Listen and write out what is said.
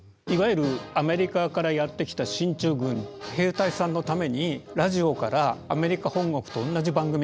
いわゆるアメリカからやって来た進駐軍兵隊さんのためにラジオからアメリカ本国と同じ番組が流れる。